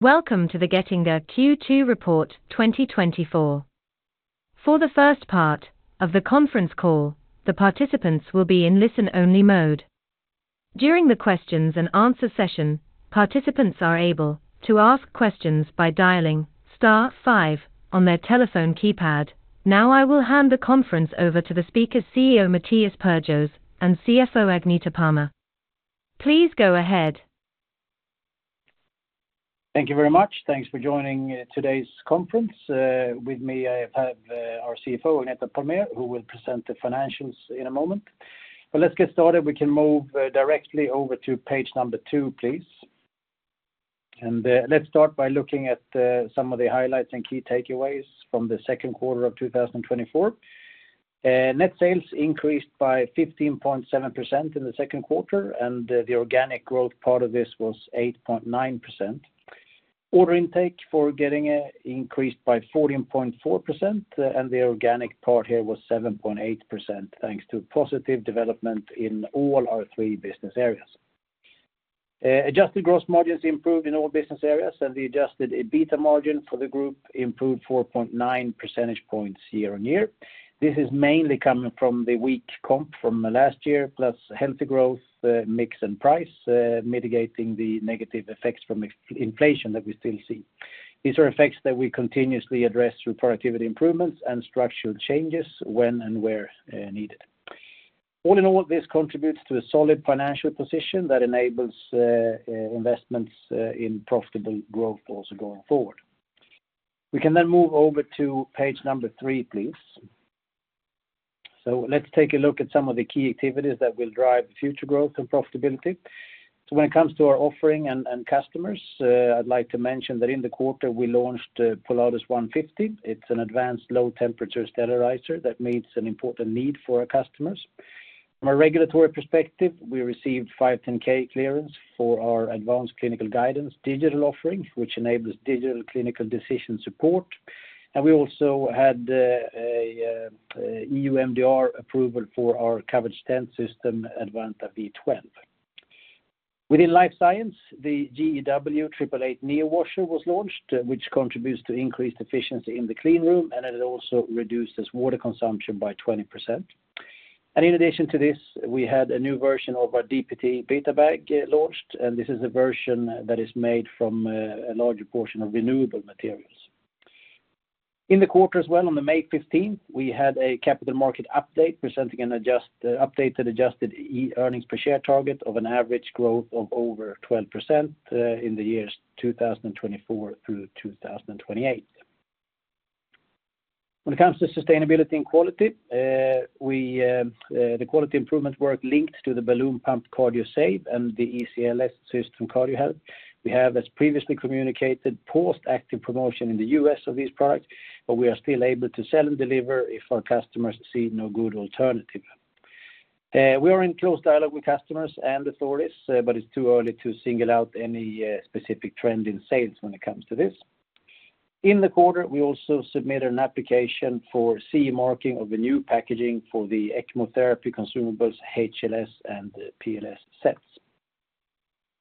Welcome to the Getinge Q2 Report 2024. For the first part of the conference call, the participants will be in listen-only mode. During the questions and answer session, participants are able to ask questions by dialing star five on their telephone keypad. Now, I will hand the conference over to the speakers, CEO Mattias Perjos, and CFO Agneta Palmér. Please go ahead. Thank you very much. Thanks for joining today's conference. With me, I have our CFO, Agneta Palmér, who will present the financials in a moment. But let's get started. We can move directly over to page number two, please. And let's start by looking at some of the highlights and key takeaways from the second quarter of 2024. Net sales increased by 15.7% in the second quarter, and the organic growth part of this was 8.9%. Order intake for Getinge increased by 14.4%, and the organic part here was 7.8%, thanks to positive development in all our three business areas. Adjusted gross margins improved in all business areas, and the adjusted EBITDA margin for the group improved 4.9 percentage points year-on-year. This is mainly coming from the weak comp from last year, plus healthy growth, mix and price, mitigating the negative effects from inflation that we still see. These are effects that we continuously address through productivity improvements and structural changes when and where needed. All in all, this contributes to a solid financial position that enables investments in profitable growth also going forward. We can then move over to page number three, please. So let's take a look at some of the key activities that will drive future growth and profitability. So when it comes to our offering and customers, I'd like to mention that in the quarter, we launched Poladus 150. It's an advanced low-temperature sterilizer that meets an important need for our customers. From a regulatory perspective, we received 510(k) clearance for our advanced clinical guidance digital offering, which enables digital clinical decision support. We also had EU MDR approval for our covered stent system, Advanta V12. Within Life Science, the GEW 888 neo washer was launched, which contributes to increased efficiency in the clean room, and it also reduces water consumption by 20%. In addition to this, we had a new version of our DPTE-BetaBag launched, and this is a version that is made from a larger portion of renewable materials. In the quarter as well, on May 15, we had a capital market update, presenting an updated adjusted earnings per share target of an average growth of over 12% in the years 2024 through 2028. When it comes to sustainability and quality, the quality improvement work linked to the balloon pump Cardiosave and the ECLS system, Cardiohelp. We have, as previously communicated, paused active promotion in the U.S. of these products, but we are still able to sell and deliver if our customers see no good alternative. We are in close dialogue with customers and authorities, but it's too early to single out any specific trend in sales when it comes to this. In the quarter, we also submitted an application for CE marking of a new packaging for the ECMO therapy consumables, HLS, and PLS sets.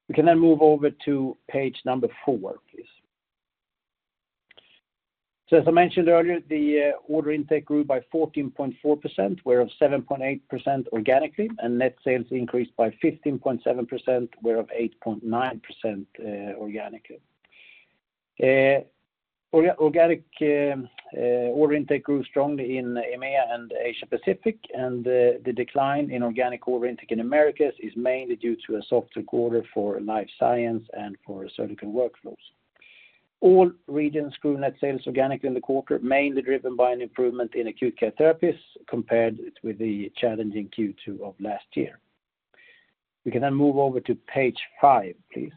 We can then move over to page number four, please. So as I mentioned earlier, the order intake grew by 14.4%, whereof 7.8% organically, and net sales increased by 15.7%, whereof 8.9% organically. Order intake grew strongly in EMEA and Asia-Pacific, and the decline in organic order intake in Americas is mainly due to a softer quarter for life science and for surgical workflows. All regions grew net sales organically in the quarter, mainly driven by an improvement in acute care therapies compared with the challenging Q2 of last year. We can then move over to page five, please.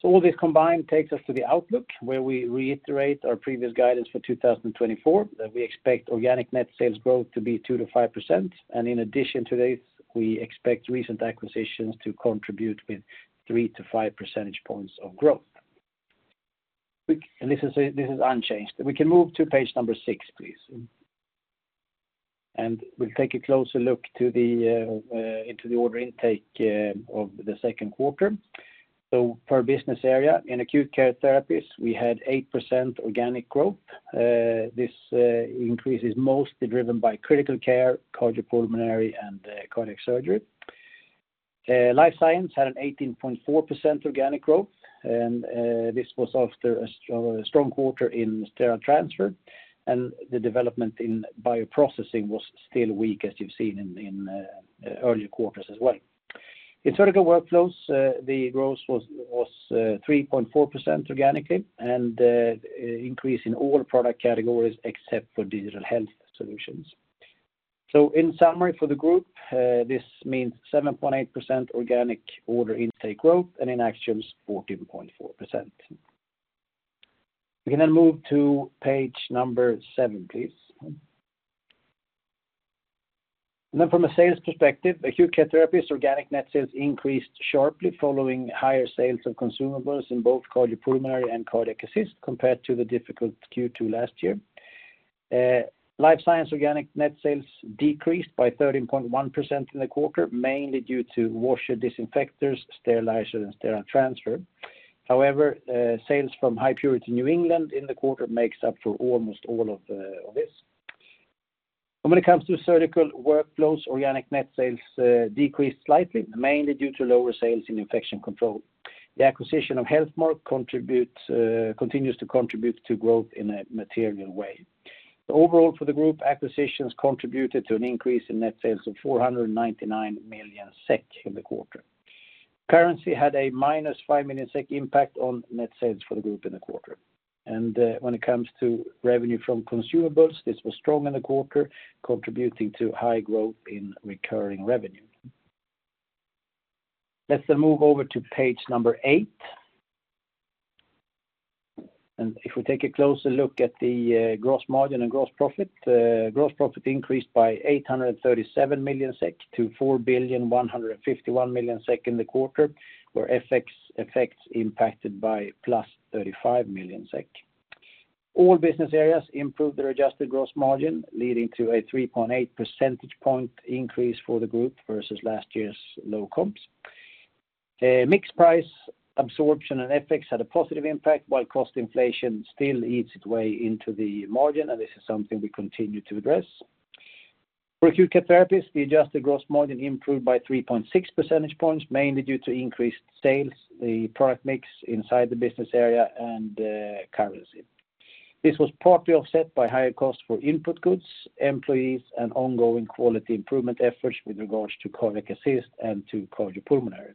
So all this combined takes us to the outlook, where we reiterate our previous guidance for 2024, that we expect organic net sales growth to be 2%-5%, and in addition to this, we expect recent acquisitions to contribute with 3 percentage points-5 percentage points of growth. Quick, and this is, this is unchanged. We can move to page number six, please. We'll take a closer look to the, into the order intake, of the second quarter. So per business area, in Acute Care Therapies, we had 8% organic growth. This increase is mostly driven by critical care, cardiopulmonary, and, cardiac surgery. Life Science had an 18.4% organic growth, and this was after a strong quarter in Sterile Transfer, and the development in Bioprocessing was still weak, as you've seen in earlier quarters as well. In Surgical Workflows, the growth was 3.4% organically, and an increase in all product categories except for Digital Health Solutions. So in summary for the group, this means 7.8% organic order intake growth and in actuals, 14.4%. We can then move to page number seven, please. And then from a sales perspective, Acute Care Therapies, organic net sales increased sharply, following higher sales of consumables in both Cardiopulmonary and Cardiac Assist compared to the difficult Q2 last year. Life Science organic net sales decreased by 13.1% in the quarter, mainly due to washer disinfectors, sterilizer, and Sterile Transfer. However, sales from High Purity New England in the quarter makes up for almost all of, of this. And when it comes to Surgical Workflows, organic net sales decreased slightly, mainly due to lower sales in Infection Control. The acquisition of Healthmark contributes, continues to contribute to growth in a material way. So overall, for the group, acquisitions contributed to an increase in net sales of 499 million SEK in the quarter. Currency had a -5 million SEK impact on net sales for the group in the quarter. And when it comes to revenue from consumables, this was strong in the quarter, contributing to high growth in recurring revenue. Let's then move over to page number eight. And if we take a closer look at the, gross margin and gross profit, gross profit increased by 837 million-4,151 million SEK in the quarter, where FX effects impacted by +35 million SEK. All business areas improved their adjusted gross margin, leading to a 3.8 percentage point increase for the group versus last year's low comps. Mixed price absorption and FX had a positive impact, while cost inflation still eats its way into the margin, and this is something we continue to address. For Acute Care Therapies, the adjusted gross margin improved by 3.6 percentage points, mainly due to increased sales, the product mix inside the business area, and, currency. This was partly offset by higher costs for input goods, employees, and ongoing quality improvement efforts with regards to Cardiac Assist and to Cardiopulmonary. For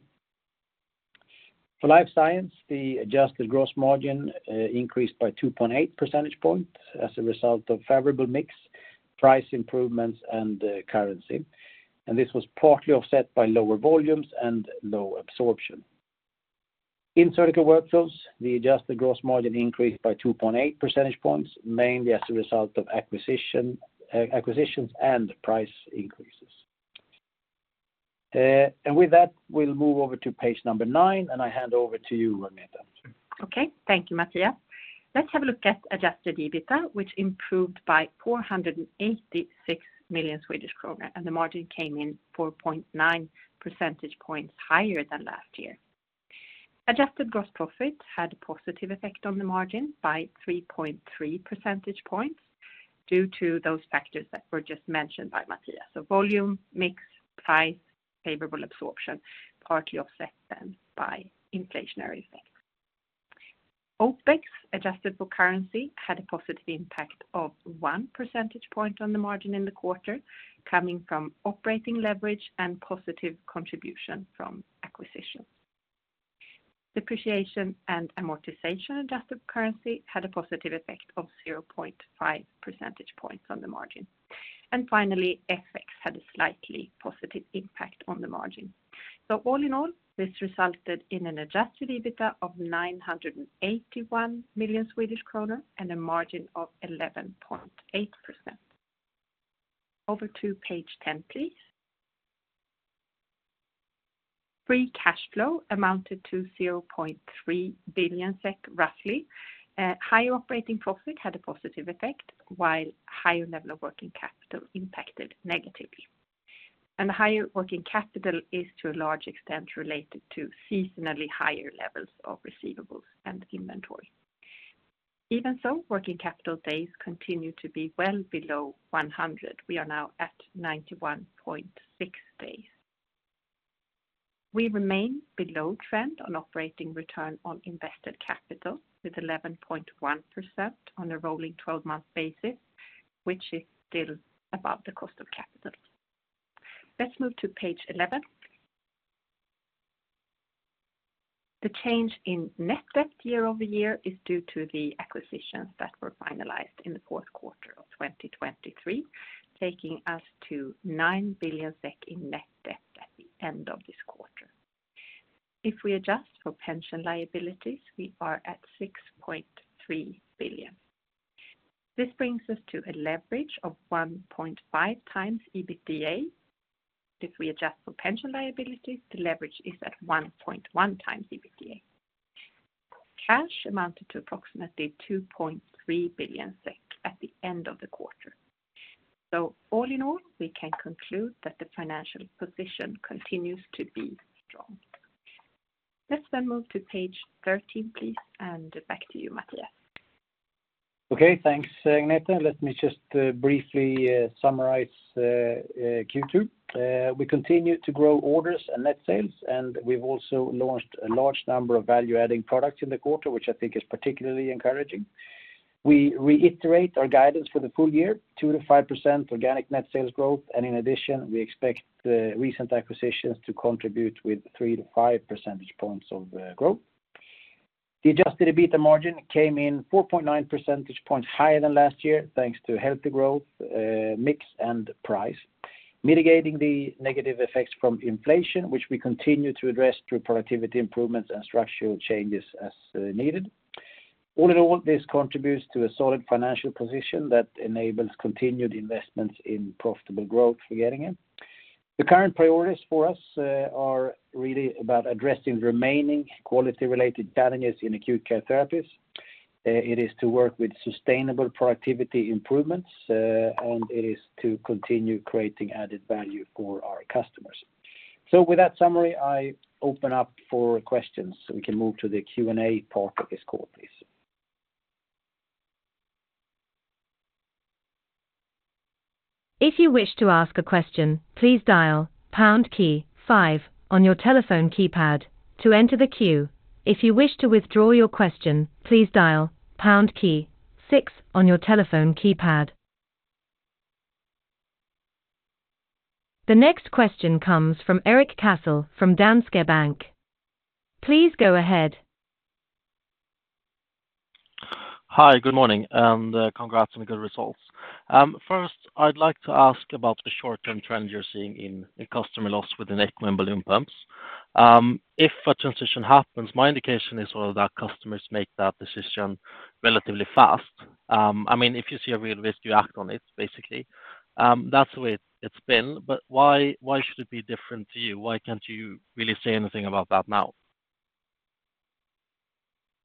Life Science, the adjusted gross margin increased by 2.8 percentage points as a result of favorable mix, price improvements, and currency. And this was partly offset by lower volumes and low absorption. In Surgical Workflows, the adjusted gross margin increased by 2.8 percentage points, mainly as a result of acquisition, acquisitions and price increases. And with that, we'll move over to page number nine, and I hand over to you, Agneta. Okay. Thank you, Mattias. Let's have a look at adjusted EBITDA, which improved by 486 million Swedish kronor, and the margin came in 4.9 percentage points higher than last year. Adjusted gross profit had a positive effect on the margin by 3.3 percentage points due to those factors that were just mentioned by Mattias. So volume, mix, price, favorable absorption, partly offset then by inflationary effects. OpEx, adjusted for currency, had a positive impact of one percentage point on the margin in the quarter, coming from operating leverage and positive contribution from acquisitions. Depreciation and amortization adjusted currency had a positive effect of 0.5 percentage points on the margin. And finally, FX had a slightly positive impact on the margin. So all in all, this resulted in an adjusted EBITDA of 981 million Swedish kronor and a margin of 11.8%. Over to page 10, please. Free Cash Flow amounted to 0.3 billion SEK, roughly. Higher operating profit had a positive effect, while higher level of working capital impacted negatively. Higher working capital is, to a large extent, related to seasonally higher levels of receivables and inventory. Even so, working capital days continue to be well below 100 days. We are now at 91.6 days. We remain below trend on operating return on invested capital, with 11.1% on a rolling 12-month basis, which is still above the cost of capital. Let's move to page 11. The change in net debt year-over-year is due to the acquisitions that were finalized in the fourth quarter of 2023, taking us to 9 billion SEK in net debt at the end of this quarter. If we adjust for pension liabilities, we are at 6.3 billion. This brings us to a leverage of 1.5x EBITDA. If we adjust for pension liabilities, the leverage is at 1.1x EBITDA. Cash amounted to approximately 2.3 billion SEK at the end of the quarter. So all in all, we can conclude that the financial position continues to be strong. Let's then move to page 13, please, and back to you, Mattias. Okay, thanks, Agneta. Let me just briefly summarize Q2. We continue to grow orders and net sales, and we've also launched a large number of value-adding products in the quarter, which I think is particularly encouraging. We reiterate our guidance for the full year, 2%-5% organic net sales growth, and in addition, we expect the recent acquisitions to contribute with 3 percentage points-5 percentage points of growth. The adjusted EBITDA margin came in 4.9 percentage points higher than last year, thanks to healthy growth, mix, and price, mitigating the negative effects from inflation, which we continue to address through productivity improvements and structural changes as needed. All in all, this contributes to a solid financial position that enables continued investments in profitable growth for Getinge. The current priorities for us are really about addressing remaining quality-related challenges in Acute Care Therapies. It is to work with sustainable productivity improvements, and it is to continue creating added value for our customers. So with that summary, I open up for questions, so we can move to the Q&A part of this call, please. If you wish to ask a question, please dial pound key five on your telephone keypad to enter the queue. If you wish to withdraw your question, please dial pound key six on your telephone keypad. The next question comes from Erik Cassel from Danske Bank. Please go ahead. Hi, good morning, and, congrats on the good results. First, I'd like to ask about the short-term trend you're seeing in the customer loss within ECMO and balloon pumps. If a transition happens, my indication is, well, that customers make that decision relatively fast. I mean, if you see a real risk, you act on it, basically. That's the way it, it's been, but why, why should it be different to you? Why can't you really say anything about that now?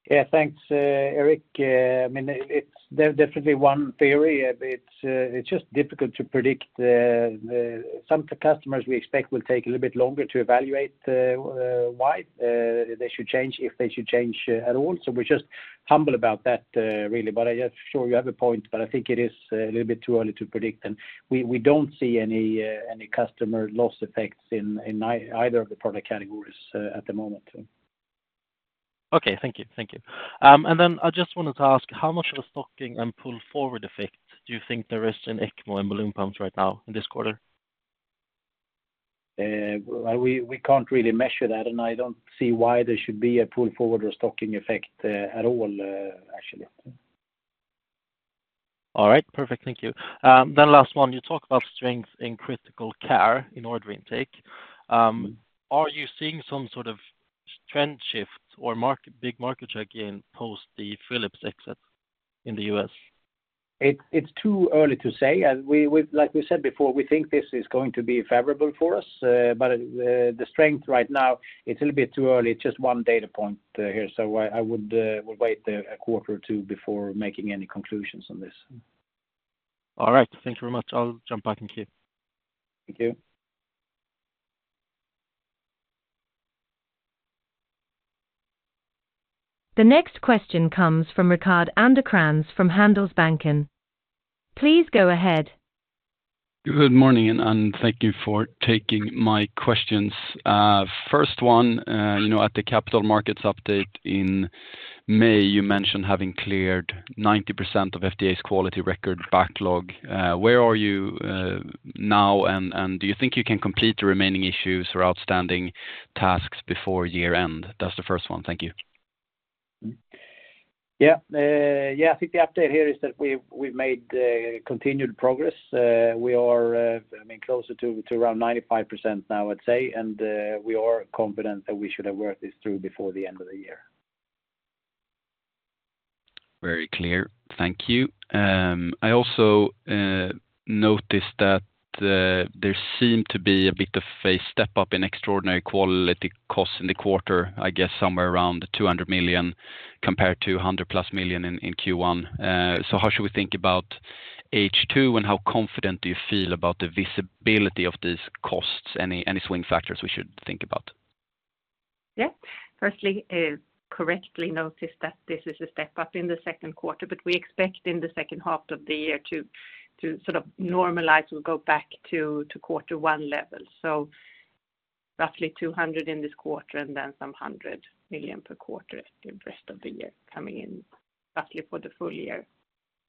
Yeah, thanks, Erik. I mean, it's definitely one theory. It's, it's just difficult to predict, the some of the customers we expect will take a little bit longer to evaluate, why, they should change, if they should change at all. So we're just humble about that, really. But I are sure you have a point, but I think it is a little bit too early to predict, and we, we don't see any, any customer loss effects in, in either of the product categories, at the moment. Okay, thank you. Thank you. And then I just wanted to ask, how much of a stocking and pull forward effect do you think there is in ECMO and balloon pumps right now in this quarter? Well, we can't really measure that, and I don't see why there should be a pull forward or stocking effect at all, actually. All right. Perfect. Thank you. Then last one, you talk about strength in critical care in order intake. Are you seeing some sort of trend shift or market, big market share gain post the Philips exit in the U.S.? It's too early to say, and we, like we said before, we think this is going to be favorable for us, but the strength right now, it's a little bit too early. It's just one data point here, so I would wait a quarter or two before making any conclusions on this. All right. Thank you very much. I'll jump back in queue. Thank you. The next question comes from Rickard Anderkrans from Handelsbanken. Please go ahead. Good morning, and thank you for taking my questions. First one, you know, at the capital markets update in May, you mentioned having cleared 90% of FDA's quality record backlog. Where are you now, and do you think you can complete the remaining issues or outstanding tasks before year end? That's the first one. Thank you. Yeah. Yeah, I think the update here is that we've made continued progress. We are, I mean, closer to around 95% now, I'd say, and we are confident that we should have worked this through before the end of the year. Very clear. Thank you. I also noticed that there seemed to be a bit of a step-up in extraordinary quality costs in the quarter, I guess somewhere around 200 million, compared to 100+ million in Q1. So how should we think about H2, and how confident do you feel about the visibility of these costs? Any swing factors we should think about? Yeah. Firstly, correctly noticed that this is a step up in the second quarter, but we expect in the second half of the year to sort of normalize and go back to quarter one level. So roughly 200 million in this quarter and then some hundred million SEK per quarter the rest of the year, coming in roughly for the full year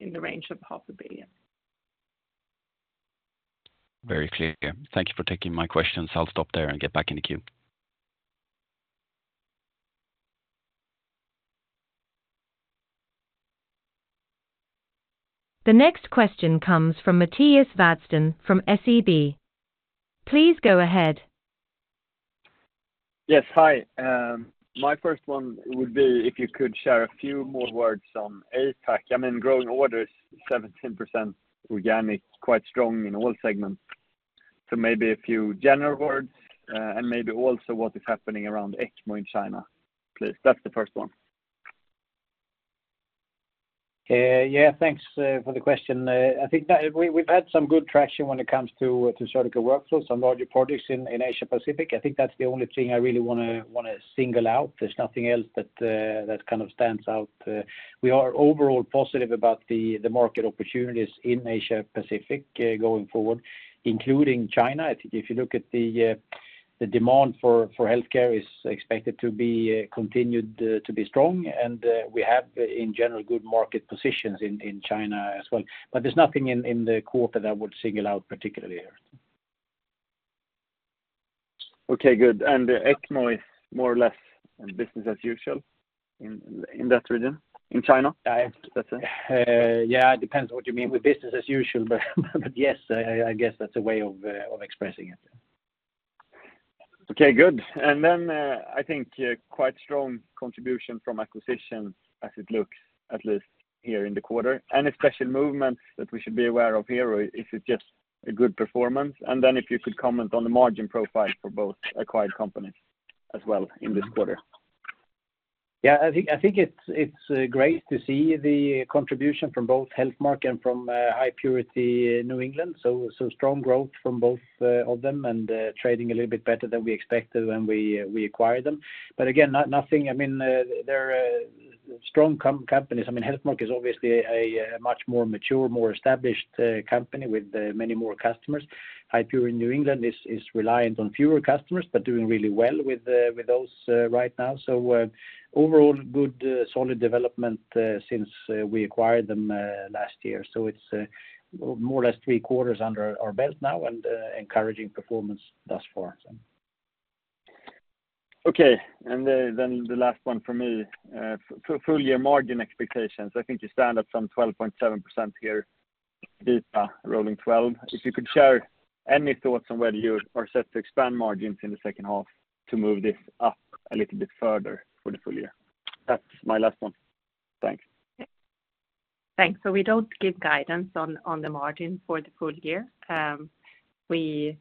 in the range of 500 million. Very clear. Thank you for taking my questions. I'll stop there and get back in the queue. The next question comes from Mattias Vadsten from SEB. Please go ahead. Yes. Hi, my first one would be if you could share a few more words on APAC. I mean, growing orders 17% organic, quite strong in all segments. So maybe a few general words, and maybe also what is happening around ECMO in China, please. That's the first one. Yeah, thanks for the question. I think that we, we've had some good traction when it comes to Surgical Workflows, some larger projects in Asia-Pacific. I think that's the only thing I really wanna single out. There's nothing else that kind of stands out. We are overall positive about the market opportunities in Asia-Pacific going forward, including China. I think if you look at the demand for healthcare is expected to be continued to be strong, and we have, in general, good market positions in China as well. But there's nothing in the quarter that I would single out particularly here. Okay, good. And the ECMO is more or less business as usual in that region, in China? Yeah, it depends what you mean with business as usual, but yes, I guess that's a way of expressing it. Okay, good. And then, I think a quite strong contribution from acquisitions as it looks, at least here in the quarter. Any special movements that we should be aware of here, or if it's just a good performance? And then if you could comment on the margin profile for both acquired companies as well in this quarter. Yeah, I think it's great to see the contribution from both Healthmark and from High Purity New England. So strong growth from both of them, and trading a little bit better than we expected when we acquired them. But again, nothing, I mean, they're strong companies. I mean, Healthmark is obviously a much more mature, more established company with many more customers. High Purity New England is reliant on fewer customers, but doing really well with those right now. So overall, good solid development since we acquired them last year. So it's more or less three quarters under our belt now, and encouraging performance thus far. Okay, and then the last one for me. For full year margin expectations, I think you stand at some 12.7% here, EBITDA rolling 12%. If you could share any thoughts on whether you are set to expand margins in the second half to move this up a little bit further for the full year? That's my last one. Thanks. Thanks. So we don't give guidance on the margin for the full year. We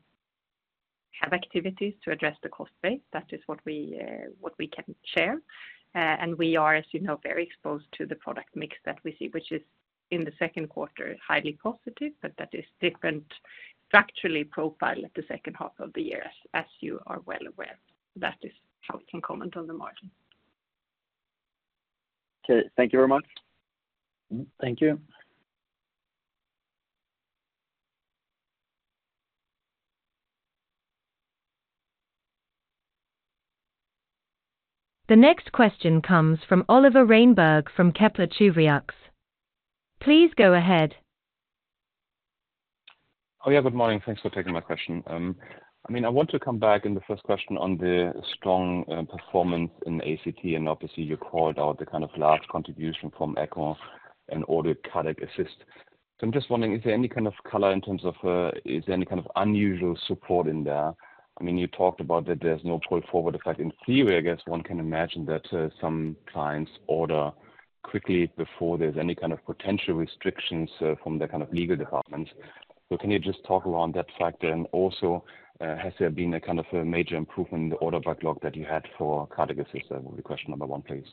have activities to address the cost base. That is what we can share. And we are, as you know, very exposed to the product mix that we see, which is in the second quarter, highly positive, but that is different structurally profile at the second half of the year, as you are well aware. That is how we can comment on the margin. Okay, thank you very much. Thank you. The next question comes from Oliver Reinberg from Kepler Cheuvreux. Please go ahead. Oh, yeah, good morning. Thanks for taking my question. I mean, I want to come back in the first question on the strong performance in ACT, and obviously, you called out the kind of large contribution from ECMOs and all the cardiac assist. So I'm just wondering, is there any kind of color in terms of, is there any kind of unusual support in there? I mean, you talked about that there's no pull forward effect. In theory, I guess one can imagine that, some clients order quickly before there's any kind of potential restrictions from the kind of legal department. So can you just talk around that factor? And also, has there been a kind of a major improvement in the order backlog that you had for cardiac assist? That would be question number one, please.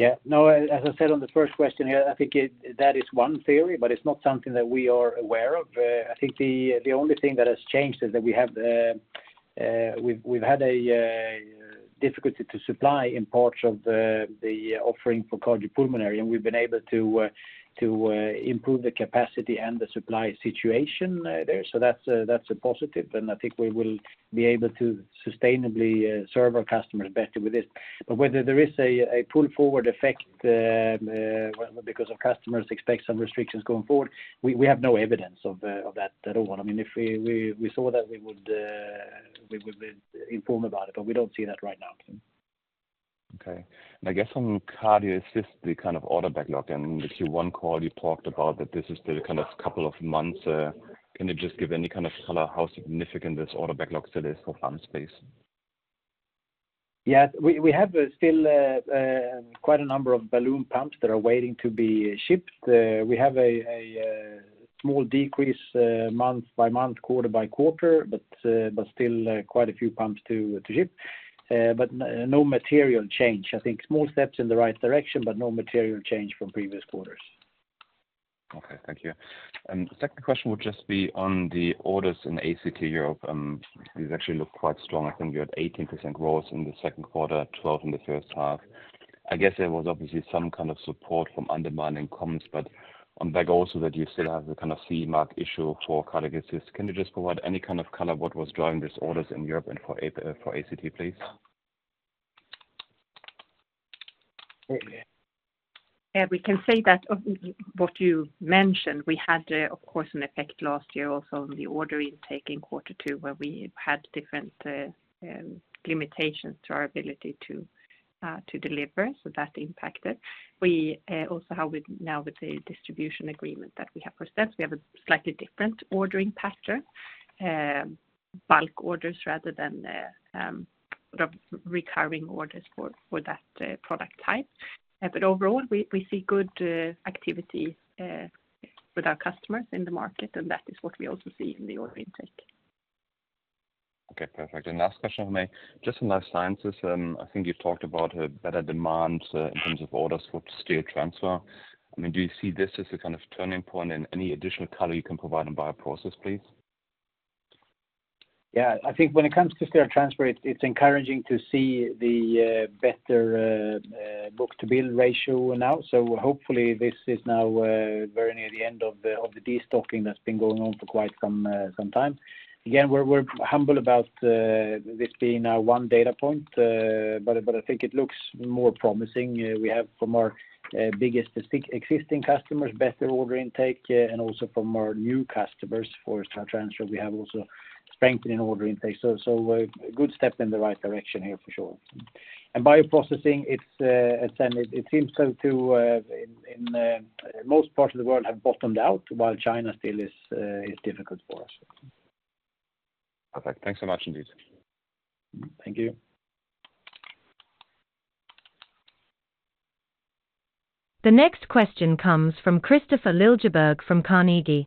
Yeah. No, as I said on the first question here, I think that is one theory, but it's not something that we are aware of. I think the only thing that has changed is that we've had a difficulty to supply in parts of the offering for cardiopulmonary, and we've been able to improve the capacity and the supply situation there. So that's a positive, and I think we will be able to sustainably serve our customers better with this. But whether there is a pull forward effect, well, because our customers expect some restrictions going forward, we have no evidence of that at all. I mean, if we saw that, we would be informed about it, but we don't see that right now. Okay. I guess on Cardiac Assist, the kind of order backlog in the Q1 call, you talked about that this is the kind of couple of months. Can you just give any kind of color, how significant this order backlog still is for pump space? Yeah. We have still quite a number of balloon pumps that are waiting to be shipped. We have a small decrease month by month, quarter by quarter, but but still quite a few pumps to ship. But no material change. I think small steps in the right direction, but no material change from previous quarters. Okay, thank you. Second question would just be on the orders in ACT Europe. These actually look quite strong. I think you had 18% growth in the second quarter, 12% in the first half. I guess there was obviously some kind of support from unwinding comps, but on back also that you still have the kind of CE mark issue for Cardiac Assist. Can you just provide any kind of color what was driving these orders in Europe and for APAC for ACT, please? Uh- Yeah, we can say that of what you mentioned, we had, of course, an effect last year also on the order intake in quarter two, where we had different, limitations to our ability to, to deliver, so that impacted. We, also have with now with the distribution agreement that we have for stents, we have a slightly different ordering pattern, bulk orders rather than, sort of recurring orders for, for that, product type. But overall, we, we see good, activity, with our customers in the market, and that is what we also see in the order intake. Okay, perfect. Last question for me, just in life sciences, I think you talked about a better demand, in terms of orders for sterile transfer. I mean, do you see this as a kind of turning point and any additional color you can provide in bioprocess, please? Yeah. I think when it comes to Sterile Transfer, it's encouraging to see the better book-to-bill ratio now. So hopefully, this is now very near the end of the destocking that's been going on for quite some time. Again, we're humble about this being our one data point, but I think it looks more promising. We have from our biggest existing customers, better order intake, and also from our new customers for Sterile Transfer, we have also strengthening order intake. So a good step in the right direction here for sure. And Bioprocessing, it's as I said, it seems to have bottomed out in most parts of the world, while China still is difficult for us. Perfect. Thanks so much indeed. Thank you. The next question comes from Kristofer Liljeberg from Carnegie.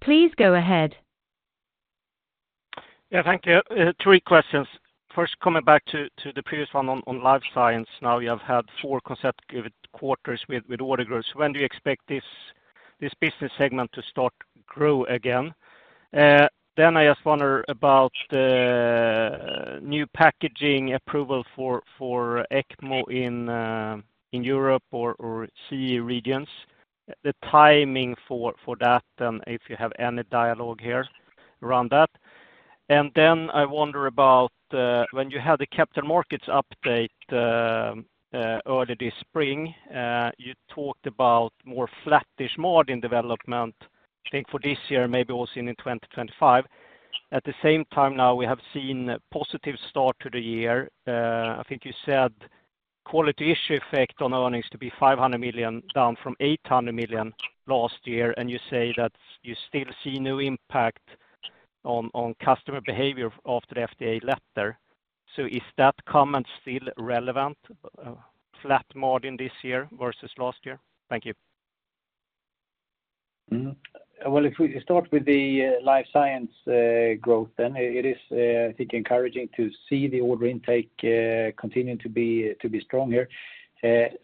Please go ahead. Yeah, thank you. Three questions. First, coming back to the previous one on Life Science. Now, you have had four consecutive quarters with order growth. When do you expect this business segment to start grow again? Then I just wonder about the new packaging approval for ECMO in Europe or CE regions, the timing for that, and if you have any dialogue here around that. And then I wonder about when you had the capital markets update earlier this spring, you talked about more flattish margin development, I think, for this year, maybe also in 2025. At the same time now, we have seen a positive start to the year. I think you said quality issue effect on earnings to be 500 million, down from 800 million last year, and you say that you still see no impact on customer behavior after the FDA letter. So is that comment still relevant, flat margin this year versus last year? Thank you. Mm-hmm. Well, if we start with the life science growth, then it is, I think, encouraging to see the order intake continuing to be strong here.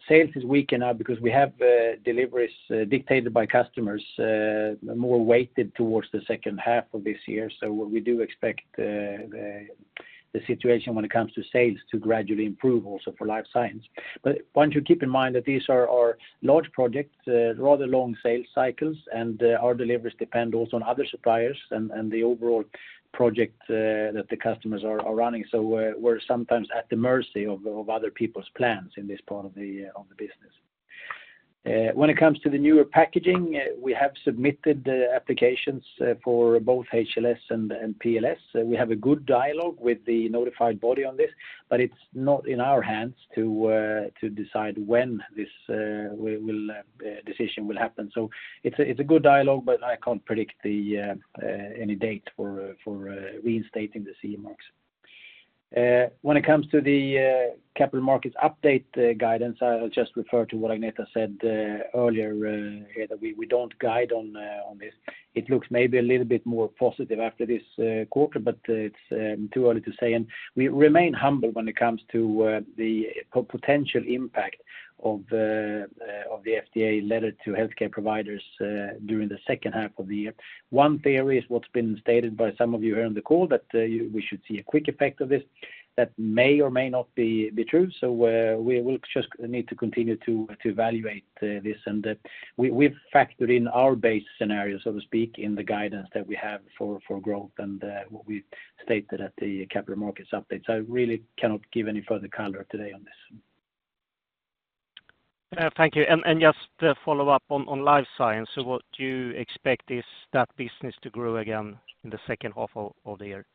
Sales is weak now because we have deliveries dictated by customers more weighted towards the second half of this year. So we do expect the situation when it comes to sales to gradually improve also for life science. But why don't you keep in mind that these are our large projects, rather long sales cycles, and our deliveries depend also on other suppliers and the overall project that the customers are running. So we're sometimes at the mercy of other people's plans in this part of the business. When it comes to the newer packaging, we have submitted the applications for both HLS and PLS. We have a good dialogue with the notified body on this, but it's not in our hands to decide when this decision will happen. So it's a good dialogue, but I can't predict any date for reinstating the CE marks. When it comes to the capital markets update guidance, I'll just refer to what Agneta said earlier here, that we don't guide on this. It looks maybe a little bit more positive after this quarter, but it's too early to say. We remain humble when it comes to the potential impact of the FDA letter to healthcare providers during the second half of the year. One theory is what's been stated by some of you here on the call, that we should see a quick effect of this. That may or may not be true. We just need to continue to evaluate this. We've factored in our base scenario, so to speak, in the guidance that we have for growth and what we stated at the capital markets update. I really cannot give any further color today on this. Thank you. And just to follow up on Life Science, so what do you expect is that business to grow again in the second half of the year?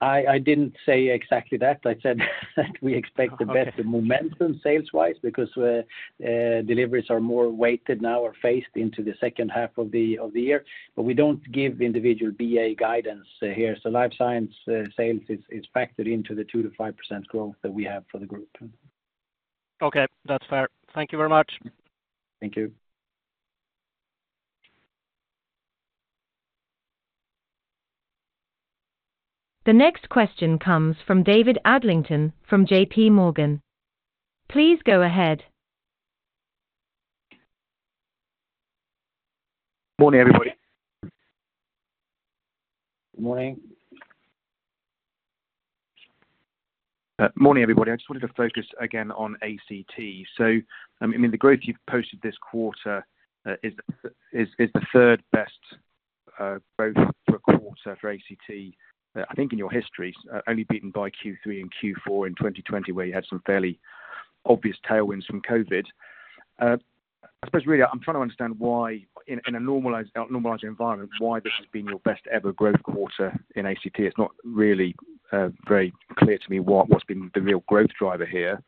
I didn't say exactly that. I said that we expect the better momentum sales-wise, because deliveries are more weighted now or phased into the second half of the year. But we don't give individual BA guidance here. So Life Science sales is factored into the 2%-5% growth that we have for the group. Okay. That's fair. Thank you very much. Thank you. The next question comes from David Adlington from JPMorgan. Please go ahead. Morning, everybody. Morning. Morning, everybody. I just wanted to focus again on ACT. So, I mean, the growth you've posted this quarter is the third best growth for a quarter for ACT, I think in your history, only beaten by Q3 and Q4 in 2020, where you had some fairly obvious tailwinds from COVID. I suppose, really, I'm trying to understand why in a normalized environment, why this has been your best ever growth quarter in ACT? It's not really very clear to me what what's been the real growth driver here.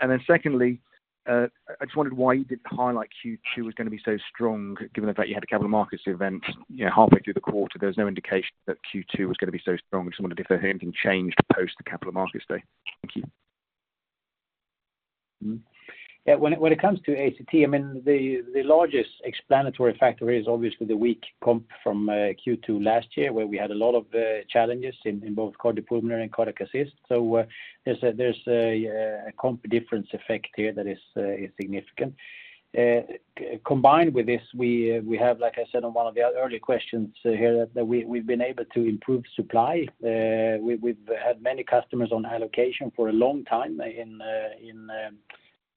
And then secondly, I just wondered why you didn't highlight Q2 was gonna be so strong, given the fact you had a capital markets event, you know, halfway through the quarter. There was no indication that Q2 was gonna be so strong. I just wondered if anything changed post the Capital Markets Day? Thank you. Yeah, when it comes to ACT, I mean, the largest explanatory factor is obviously the weak comp from Q2 last year, where we had a lot of challenges in both cardiopulmonary and Cardiac Assist. So, there's a comp difference effect here that is significant. Combined with this, we have, like I said, on one of the earlier questions here, that we have been able to improve supply. We have had many customers on allocation for a long time in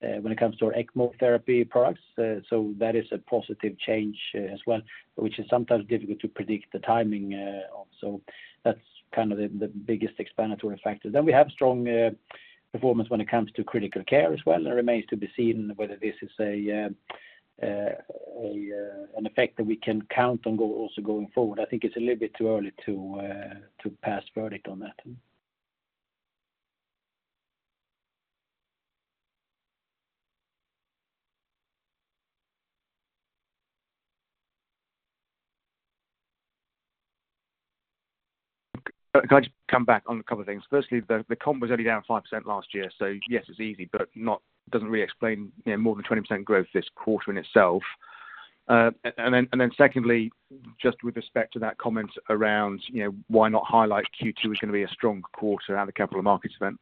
when it comes to our ECMO therapy products. So that is a positive change as well, which is sometimes difficult to predict the timing of. So that's kind of the biggest explanatory factor. Then we have strong performance when it comes to critical care as well. It remains to be seen whether this is an effect that we can count on also going forward. I think it's a little bit too early to pass verdict on that. Can I just come back on a couple of things? Firstly, the comp was only down 5% last year, so yes, it's easy, but not doesn't really explain, you know, more than 20% growth this quarter in itself. And then secondly, just with respect to that comment around, you know, why not highlight Q2 was gonna be a strong quarter at the capital markets event?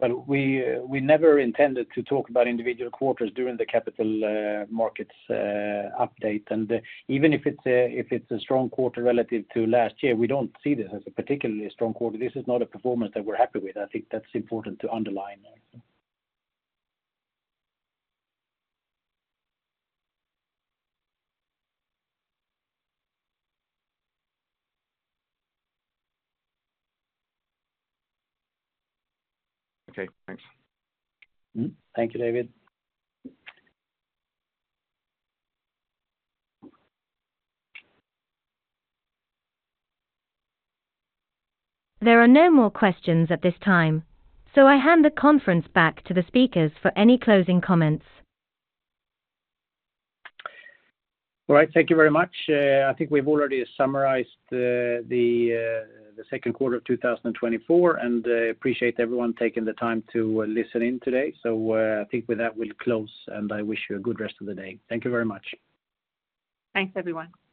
Well, we never intended to talk about individual quarters during the capital markets update. Even if it's a strong quarter relative to last year, we don't see this as a particularly strong quarter. This is not a performance that we're happy with. I think that's important to underline also. Okay, thanks. Mm-hmm. Thank you, David. There are no more questions at this time, so I hand the conference back to the speakers for any closing comments. All right. Thank you very much. I think we've already summarized the second quarter of 2024, and appreciate everyone taking the time to listen in today. So, I think with that, we'll close, and I wish you a good rest of the day. Thank you very much. Thanks, everyone.